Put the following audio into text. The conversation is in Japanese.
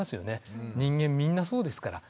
人間みんなそうですから。